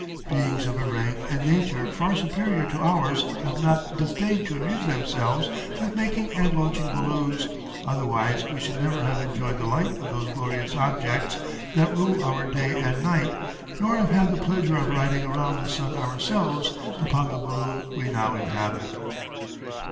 Beings of a Rank and Nature far superior to ours have not disdained to amuse themselves with making and launching Balloons, otherwise we should never have enjoyed the Light of those glorious objects that rule our Day & Night, nor have had the Pleasure of riding round the Sun ourselves upon the Balloon we now inhabit.